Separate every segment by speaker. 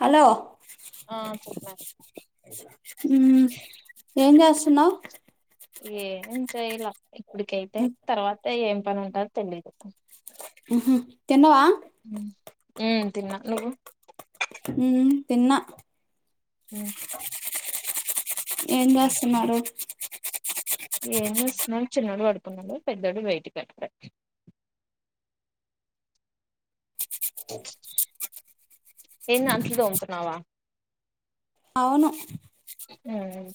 Speaker 1: Hello
Speaker 2: ఆ చెప్పండి
Speaker 1: మ్ ఏం చెస్ స్తున్నా
Speaker 2: ఏంచేయాలా ఇప్పుడికైతే తర్వాత ఏం ట అంత తెలిదు
Speaker 1: మ్ తిన్నవా
Speaker 2: ఉ తిన్నా నువ్వు
Speaker 1: మ్మ్ తిన్నా
Speaker 2: మ్
Speaker 1: ఏం చేస్తున్నారు
Speaker 2: ఏం చేస్తున్నా చిన్నడు పడుకున్నాడు పెద్దోడు బయటి [unintelligible] ఏంది అంట్లు తోముతున్నావా
Speaker 1: అవును
Speaker 2: ఉమ్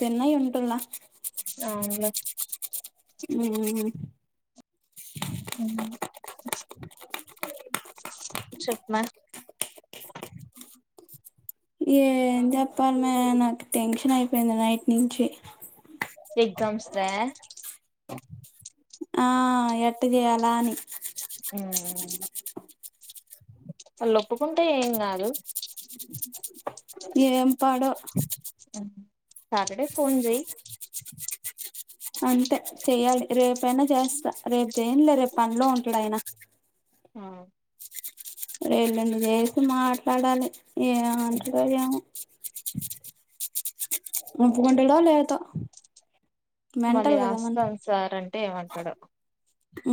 Speaker 1: తిన్నయి ఉంటల్ల
Speaker 2: అవును లే
Speaker 1: మ్మ్
Speaker 2: మ్ చెప్మా
Speaker 1: ఏం చెప్పాల మే నాకు టెన్షన్ అయిపోయింది నైట్ నుంచి
Speaker 2: ఎగ్జామ్స్ రా
Speaker 1: ఆ ఎట్ట చేయాల అని
Speaker 2: ఆ వాళ్ళు ఒప్పుకుంటే ఏం కాదు
Speaker 1: ఏం పాడో
Speaker 2: సాటడే ఫోన్ చేయి
Speaker 1: అంతే చెయ్యాలి రేపయినా చేస్తా రేపు చేయనులే రేపు పనిలో ఉంటాడు అయినా
Speaker 2: ఆ
Speaker 1: ఎల్లుండి చేసి మాట్లాడాలి
Speaker 2: ఉమ్.
Speaker 1: ఏమంటడో ఏమో ఒప్పుకుంటడో లేదో
Speaker 2: మళ్ళీ
Speaker 1: మెంటల్ కదా మన్
Speaker 2: వస్తాం సార్ అంటే ఏమంటడో
Speaker 1: ఆ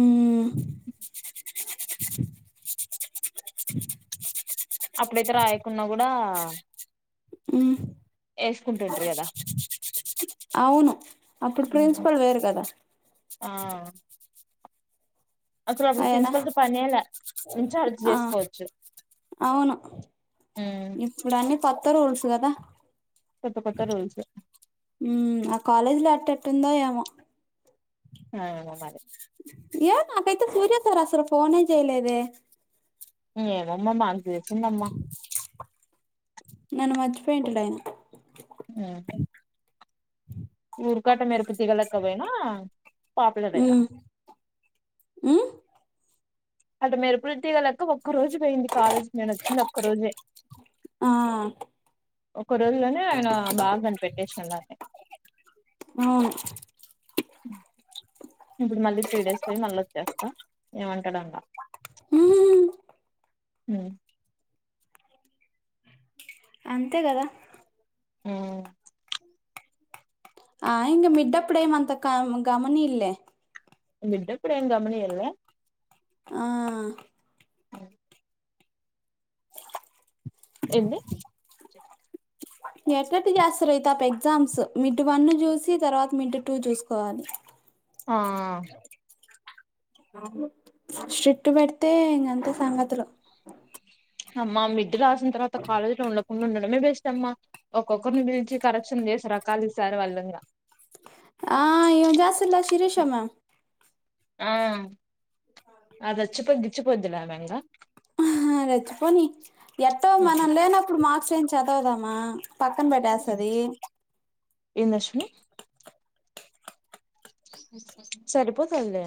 Speaker 2: అప్పుడైతే రాయకున్నా కూడా
Speaker 1: ఆ
Speaker 2: వేసుకుంటుంటరు కదా
Speaker 1: అవును అప్పుడు
Speaker 2: ఉమ్.
Speaker 1: ప్రిన్సిపల్ వేరు కదా
Speaker 2: ఆ అసలు అప్పుడు
Speaker 1: ఆయన
Speaker 2: ప్రిన్సిపల్తో పనేలా ఇంచార్జ్ తొ
Speaker 1: ఆ
Speaker 2: చేసుకోవచ్చు
Speaker 1: అవును ఇప్పుడు అన్ని కొత్త రూల్సు కదా
Speaker 2: పెద్ద పెద్ద రూల్సు
Speaker 1: మ్మ్ ఆ కాలేజ్ లో అట్టట్టెట్టుందో ఏమో
Speaker 2: ఏమో మరి
Speaker 1: ఏ నాకైతే సూర్య సార్ అసలు ఫోనే చేయలేదే
Speaker 2: ఏమోమ్మ మాకు చేసి ఉందమ్మా
Speaker 1: నన్ను మర్చిపోయింటడు ఆయన
Speaker 2: ఊర్ కట్ట మెరుపు తీగ లెక్క పోయినా పాపులరైనా
Speaker 1: మ్మ్ మ్మ్
Speaker 2: అటు మెరుపుడు తీగ లెక్క ఒక్క రోజు పోయింది కాలేజీకి నేను వచ్చిన ఒక్క రోజే
Speaker 1: ఆ
Speaker 2: ఒక రోజులోనే ఆయన బాగా కనిపెట్టేసాడు దాన్ని
Speaker 1: అవును
Speaker 2: అ ఇప్పుడు మళ్ళీ త్రీ డేస్ పోయి మళ్ళ వచ్చేస్తా ఏమంటడో ఇంక
Speaker 1: మ్మ్ అంతే కదా
Speaker 2: హ
Speaker 1: ఆ ఇంక మిడ్ అప్పుడు ఏమి అంత క గమనీడు లె
Speaker 2: మిడ్ అప్పుడు ఏం గమనీయడు లె
Speaker 1: ఆ
Speaker 2: ఏంది
Speaker 1: ఎట్టెట్ట చేస్తరో ఈ తాప ఎగ్జామ్స్ మిడ్ వన్ చూసి తర్వాత మిడ్ టూ చూసుకోవాలి
Speaker 2: ఆ
Speaker 1: స్ట్రిట్ పెడితే ఇంక అంతే సంగతులు
Speaker 2: అమ్మా మి రాసిన తరువాత కాలేజ్ లొ ఉండక ఉండడమే బెస్ట్ అమ్మ ఒక్కొక్కరిని పిలిచి కరెక్షన్ చేసి రకాలు సారి వాల్లింగ
Speaker 1: ఆ ఈమె జేస్తుల్ల శిరీష మేమ్
Speaker 2: ఆ అదచ్చిపో ఇచ్చిపోదిలే ఆమె ఇంకా
Speaker 1: హా అది వచ్చిపోని ఎట్టో మనం లేనప్పుడు మార్క్స్ కం చదవుదామా
Speaker 2: ఎంద అశ్విని సరిపోతల్లే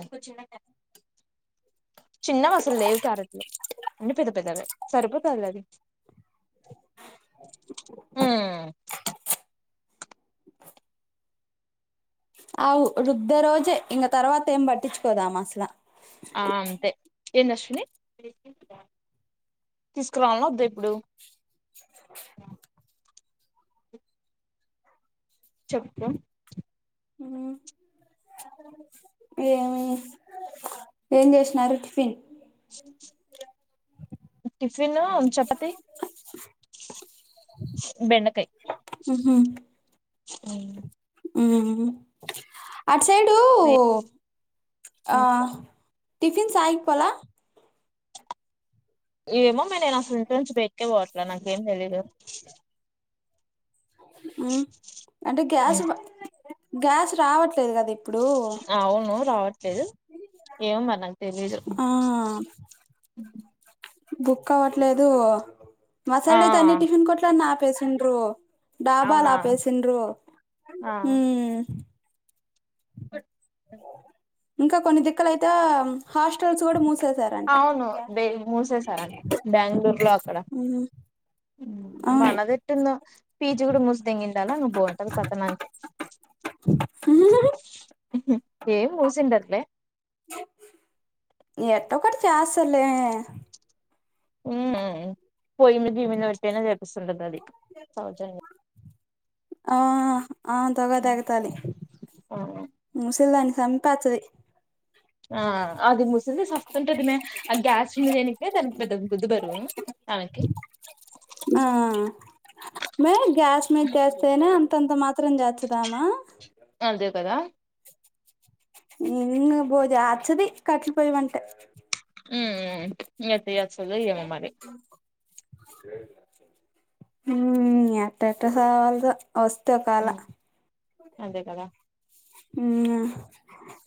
Speaker 2: చిన్నవి అసలు లేవు క్యారెట్లు అన్ని పెద్ద పెద్దవే సరిపోతలే అది హ్మ్మ్
Speaker 1: ఆ రుద్దే రోజే ఇంక తర్వాత ఏం పట్టించుకోదామా అసలు
Speaker 2: ఎంది అశ్విని తీసుకురాలన వద్దా ఇప్పుడు చెప్ప
Speaker 1: ఎమ్ ఏం చేసినారు టిఫిన్
Speaker 2: టిఫ్ చిన్న చపాతి బెండకాయ
Speaker 1: ఉహు
Speaker 2: హ్మ్
Speaker 1: ఉ అంట్ సైడు ఆ టిఫిన్ సాగిపోలా
Speaker 2: ఏమో మె నేను అసలు ఇంట్లో నుంచి బయటకే పోవట్ల నా ఏం తెలీదు
Speaker 1: ఉ అంటే గ్యాస్ గ్యాస్ రావట్లేదు కదా ఇప్
Speaker 2: అవును రావట్ లేదు ఏమో మరి నాకు తెలీదు
Speaker 1: ఆ బుక్ అవ్వట్లేదు మా
Speaker 2: ఆ
Speaker 1: సైడ్ అయితేన్ని టిఫన్ కోట్లన్ని నాపి పసెండ్ర డాబాల
Speaker 2: అవునా
Speaker 1: ఆ పేసిండ్రు
Speaker 2: ఏయ్
Speaker 1: ఇంకా కొన్ని దిక్కలుయితే
Speaker 2: అవును బే మూసేసారంట బెంగళూరు లో అక్కడ
Speaker 1: ఉమ్ అవును
Speaker 2: మనదేట్టుందొ పీజి కూడా ము తెంగిండాల అ బాగుంటది కతనానికి ఏం మూసిండట్లే
Speaker 1: ఎటోకట్ట చేస్తారులే
Speaker 2: ఉ పోయి జిమ వచ్చేనా చెప్ ప్రసన్నత అది సౌన్యం
Speaker 1: ఆ ఆ తగదాగతాలి
Speaker 2: ఆ
Speaker 1: ముసిల్దా నికి చంపచది
Speaker 2: ఆ అదిం ముసింది సస్తు ఉంటదిమే ఆ గ్యాస్ జేనికే దానికి పెద్ద బుద్ధ బరువు ఆమెకి
Speaker 1: ఆ అ మేయ్ గ్యాస్ మీద గ్యాస్ తేన అంతంత్ర మాత్రం జేతాదమా
Speaker 2: అంతే కదా
Speaker 1: ఇం పోజ అచ్చది కట్లు పోయమనంట
Speaker 2: ఉ ఏమోచ్చింరో ఏమో మరి
Speaker 1: ఉ ఎట్టెట్ట సావాల్దో వస్తుకాల
Speaker 2: ఉమ్, అదే కదా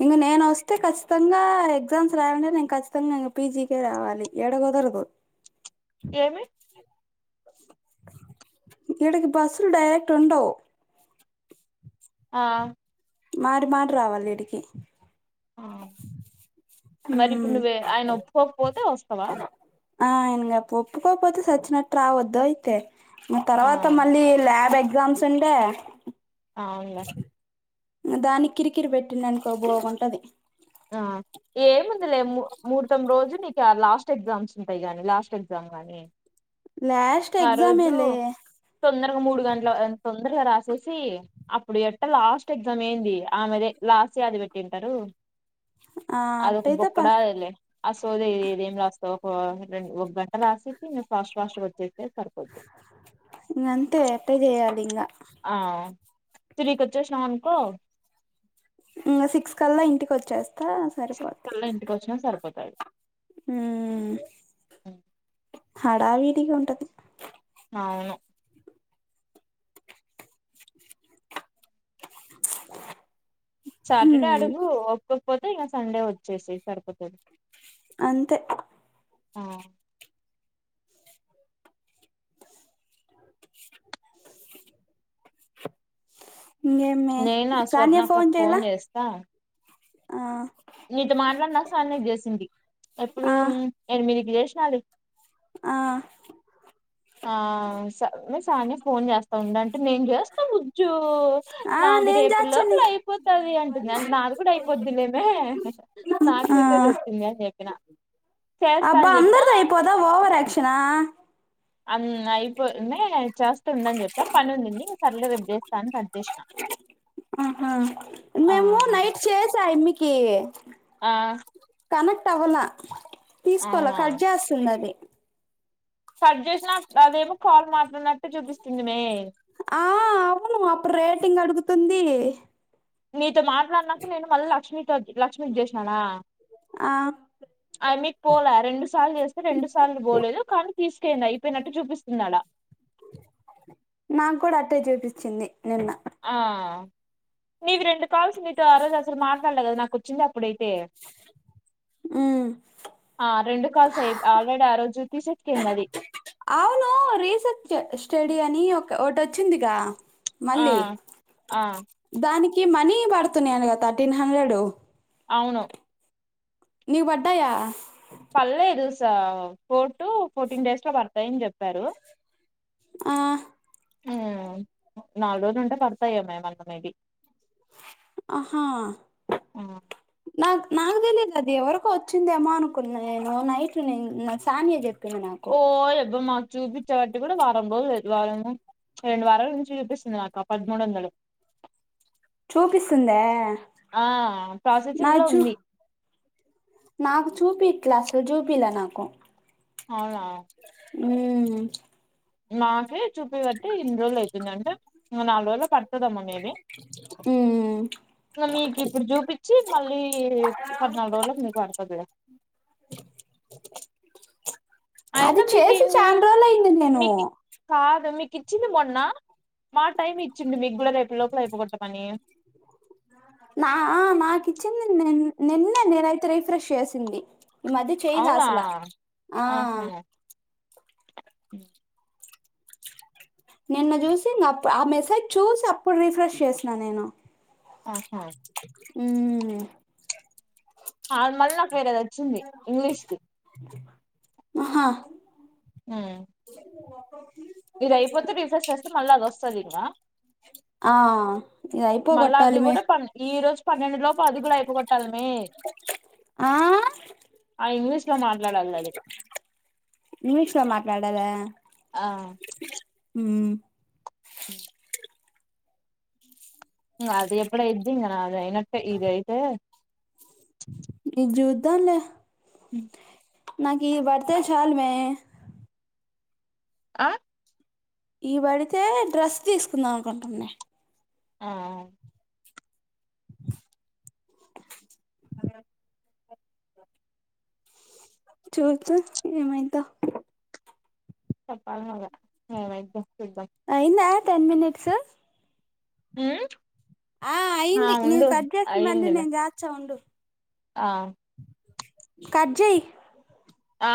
Speaker 1: ఇంక నేనొస్తే ఖచ్చితంగా ఎగ్జామ్స్ రాయ నేను ఖచ్చితంగా ఇంక పీజీకే రావాలి ఏడ కుదరదు
Speaker 2: ఏమి
Speaker 1: ఇడకి బస్సులు డైరెక్ట్ ఉండవు
Speaker 2: ఆ
Speaker 1: మారిమాటిరావాలి ఈడికి
Speaker 2: ఆ మరి ఇప్పుడు
Speaker 1: ఉమ్
Speaker 2: నువ్వే ఆయన ఒప్పుకోకపోతే వస్తావా
Speaker 1: ఆ ఇంగ ఒప్పుకోకపోతే సచ్చినట్ రావద్దు అయితే
Speaker 2: ఆ
Speaker 1: తర్వాత మళ్ళీ ల్యాబ్ గమ్స్ంటే
Speaker 2: అవున్లే
Speaker 1: దానికిరికిరి పెట్టిండనుకో బోగంటది
Speaker 2: ఏ లెమ్ము ముహూర్తం రోజు ని లాస్ట్ ఎగ్జామ్స్ ఉంటాయి గాని లాస్ట్ ఎగ్జామ్ గాని
Speaker 1: లాస్ట్ ఎక్సామేలే
Speaker 2: ఇ మూడు గంటల తొందరగా రాసేసి అప్పుడు ఎట్ట లాస్ట్ ఎగ్జామ్ ఏంది ఆమెదే లాస్యాది పెట్టింటరు
Speaker 1: ఆ
Speaker 2: అదొక
Speaker 1: అట్టయితే పర్
Speaker 2: బొక్కడాదిలే అసోద ఏద ఒక రె ఒక గంట రాసేసి నేను ఫస్ట్ ఫాస్ట్ వచ్చే
Speaker 1: ఇంగంతే అట్టే జేయాలింగ
Speaker 2: ఆ త్రీ కోచ్చేషినావంకో
Speaker 1: ఇంగ సిక్స్ కల్లా ఇంటికొచ్చేస్
Speaker 2: సిక్స్కల్లా ఇంటికొచ్చిన సరిపోద్ది
Speaker 1: ఊ హడావిడిగా ఉంటది
Speaker 2: అవును సాటర్డే
Speaker 1: హ్మ్
Speaker 2: అడుగు ఒక్కొక్క పోతే ఇక సండే వచ్చేసెయ్ సరిపోతది
Speaker 1: అంతే
Speaker 2: హ్మ్
Speaker 1: ఇంగేమ్మే
Speaker 2: నేనా
Speaker 1: సానియా
Speaker 2: స్వర్ణక్క కి ఫోన్
Speaker 1: చేయలా
Speaker 2: చేస్తా
Speaker 1: ఆ
Speaker 2: నీతో మాట్లాడి నా సార్ అన్న చేసింది ఎప్పుడు
Speaker 1: ఆ
Speaker 2: ఎనిమిదికి చేస్ విషాలి
Speaker 1: ఆ
Speaker 2: ఆ మే సానే ఫోన్ చేస్తా ఉండం అ నేను చేస్తా ముుజ్జు,
Speaker 1: ఆ
Speaker 2: నాది
Speaker 1: నేను
Speaker 2: రేపు లోపల
Speaker 1: చేచ్చను
Speaker 2: అయిపోతది అంటుంది, అంటే నాది కూద అయిపోద్దిలేమే నాకు
Speaker 1: ఆ
Speaker 2: మిసేజ్ వచ్చింది అని చెప్పిన చేస్తా
Speaker 1: అబ్బా
Speaker 2: అని
Speaker 1: అందర్
Speaker 2: చెప్పినా
Speaker 1: ద అయిపోదా ఓవర్ యాక్షనా
Speaker 2: అ అయిపోని చేస్త ఉండని జెప్ప పని ఉంది ఇక సర్లే విబ్ చేస్తాని కట్సిన
Speaker 1: మేము నైట్ చేసాయి కి
Speaker 2: ఆ
Speaker 1: కనెక్ట్ అవ్వల తీసుకోవాల
Speaker 2: అవునా
Speaker 1: కట్ చేస్తుంది అది
Speaker 2: కట్ చేసినా అదేమో కాల్ మాట్లాడినట్టు చూపిస్తుంది మే
Speaker 1: ఆ అవును అప్పు రేటింగ్ అడుగు తుంది
Speaker 2: మీ ఇట్లా మాట్లాడినాక నేన్ మల్ల లక్ష్మి [unintelligible] లక్ష్మీకి చేసానా,
Speaker 1: ఆ
Speaker 2: ఐ మీక్ పోలే రెండు సార్లు చేస్తే రెండు సార్లు పోలేదు కానీ తీసుకెయిందా అయిపోయినట్టు చూపిస్తున్నాడా
Speaker 1: నాకు కూడా అట్టే చూపిచింది నిన్న
Speaker 2: ఆ నవ రెం కాల్స్ మీ అరజసలు మా వల నాకుచచ్చ ఇప్పుడైతే
Speaker 1: ఉమ్
Speaker 2: ఆ రెండు కాల్ సయి ఆల్రెడీ ఆ రోజు జ్యోతిషట్ కిందది
Speaker 1: ఇ అని ఒక ఒకటి వచ్చిందిగా
Speaker 2: ఆ
Speaker 1: మళ్ళీ
Speaker 2: ఆ
Speaker 1: దానిక్ మనీ బడుతు న అనుగా తథర్టీన్ హండ్రెడ్
Speaker 2: అవును
Speaker 1: నవ అడ్డాయా
Speaker 2: పర్లేదు స ఫోర్ టు ఫోర్టీన్ డేస్ లో పడతాయని చెప్పారు
Speaker 1: ఆ
Speaker 2: ఆ నాలుగు రోజు ఉంటే పడతాయ మేమ్ అంత మేబి
Speaker 1: ఆహా నా నాకు తెలీయదు అది ఎవరికో వచ్చిందేమో అనుకున్నా నేను నైట్ నేను సానియా చెప్ నాకు
Speaker 2: చూపించబట్టి కూడా వారం రోజులు వారంము రెండు వారాలు నుంచి చూపిస్తుంది నాక పదమూడు వందలు
Speaker 1: చూపిస్తుందా
Speaker 2: ఆ
Speaker 1: నా
Speaker 2: ప్రాసెసింగ్ లో
Speaker 1: చూ
Speaker 2: ఉంది
Speaker 1: నాకు చూపి క్లాస్ చూపిలా నాకు
Speaker 2: అవునా
Speaker 1: ఉ
Speaker 2: నాకి చూప బట్టి ఇన్ని రోజలు అవుతుంది అంటే నాలుగుల పడి వమ్మ మీది
Speaker 1: ఉమ్
Speaker 2: ఇకా మీకు ఇప్పుడు చూపించి మళ్ళీ పద్నాలుగు రోజులకు మీకు పడుతుంది
Speaker 1: అది చేసి చాని రోజులు అయింది నేను
Speaker 2: మీకు కాదు మీకు ఇచ్చింది మొన్న మా టైమ్ ఇచ్చింది మికుల రేపు లోపల అయిపోగొట్టమని
Speaker 1: నా నాకు ఇచ్చింది నిన్నే నేనుతే రీఫ్రెష్ చేసింది ఈ మది చేయలే
Speaker 2: అవునా
Speaker 1: అసలా ఆ
Speaker 2: హ
Speaker 1: నిన్న చూసి ఆ మెసేజ్ చూసి అప్పుడు రీఫ్రెష్ చేసినా నేను
Speaker 2: ఆహా
Speaker 1: ఉ
Speaker 2: మళ్ళీ నాకు వేరేది అది వచ్చింది ఇంగ్లీష్ కి
Speaker 1: ఆహా
Speaker 2: ఆ ఇది అయిపోతే రీసెస్ చేస్తే మళ్ళీ అది వస్తుంది ఇంకా
Speaker 1: ఆ ఇది
Speaker 2: మళ్ళీ అది
Speaker 1: అయిపోగొట్టాలి మే
Speaker 2: కూడా ప ఈ రోజు పన్నెండు లో అది కూడా అయిపోగొట్టాల మీ
Speaker 1: ఆ
Speaker 2: ఆ ఇంగ్లీష్ లో మాట్లాడాలి అది
Speaker 1: ఇంగ్లీష్ లో మాట్లాడాలా
Speaker 2: ఆ
Speaker 1: మ్మ్
Speaker 2: హ అది ఎప్పుడ ఇయ్యిది నాకి అయినట్టే ఇగ అయితే
Speaker 1: జుద్ధం లే
Speaker 2: హ
Speaker 1: నాకు ఈ వర్త చాలు మే
Speaker 2: ఆ
Speaker 1: ఈ పడితే డ్రెస్ తీసుకుందాం అనుకుంటున్నా
Speaker 2: ఆ
Speaker 1: చూద్దం ఏమయిద్దో?
Speaker 2: చెప్పల్గదా? ఏమైద్దో చూద్దాం.
Speaker 1: అయిందా టెన్ మినిట్స్.
Speaker 2: ఉమ్?
Speaker 1: ఆ అయింది నివ్ కట్ చేయ్, మల్లి
Speaker 2: అయిందిలే
Speaker 1: నేన్ జెస్తా ఉండు.
Speaker 2: ఆ
Speaker 1: కట్ జై.
Speaker 2: ఆ